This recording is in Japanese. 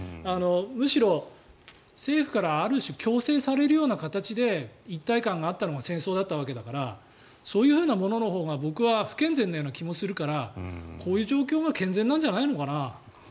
むしろ政府からある種、強制されるような形で一体感があったのが戦争だったわけだからそういうもののほうが僕は不健全なような気もするからこういう状況が健全なんじゃないのかな。